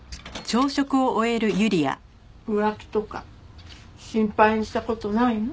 浮気とか心配した事ないの？